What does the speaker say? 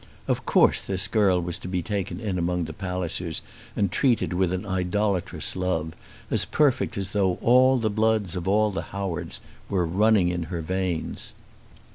Of course this girl was to be taken in among the Pallisers and treated with an idolatrous love, as perfect as though "all the blood of all the Howards" were running in her veins.